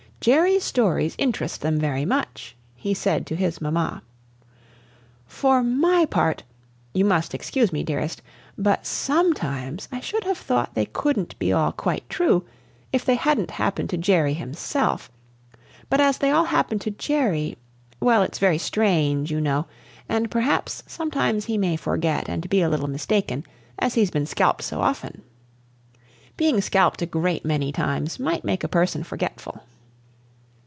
"Jerry's stories int'rust them very much," he said to his mamma. "For my part you must excuse me, Dearest but sometimes I should have thought they couldn't be all quite true, if they hadn't happened to Jerry himself; but as they all happened to Jerry well, it's very strange, you know, and perhaps sometimes he may forget and be a little mistaken, as he's been scalped so often. Being scalped a great many times might make a person forgetful."